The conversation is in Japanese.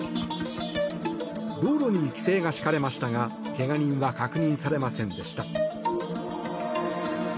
道路に規制が敷かれましたが怪我人は確認されませんでした。